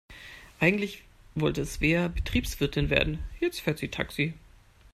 Eigentlich wollte Svea Betriebswirtin werden, jetzt fährt sie Taxi.